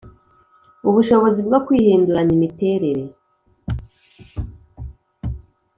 ubushobozi bwo kwihinduranya imiterere